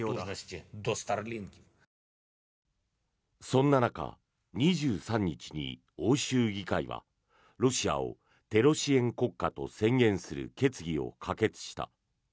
そんな中、２３日に欧州議会はロシアをテロ支援国家と宣言する決議を可決した。